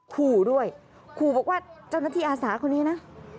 ขู่ด้วยขู่บอกว่าเจ้าหน้าที่อาสาคนนี้นะ